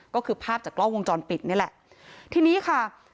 ก็คือภาพจากกล้องวงจรปิดนี่แหละทีนี้ค่ะ